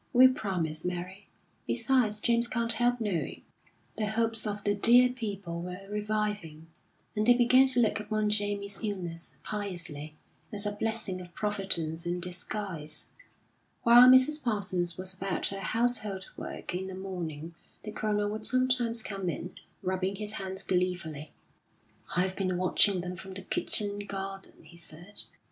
We'll promise, Mary. Besides, James can't help knowing." The hopes of the dear people were reviving, and they began to look upon Jamie's illness, piously, as a blessing of Providence in disguise. While Mrs. Parsons was about her household work in the morning, the Colonel would sometimes come in, rubbing his hands gleefully. "I've been watching them from the kitchen garden," he said.